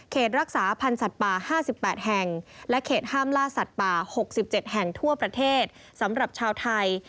รักษาพันธ์สัตว์ป่า๕๘แห่งและเขตห้ามล่าสัตว์ป่า๖๗แห่งทั่วประเทศสำหรับชาวไทย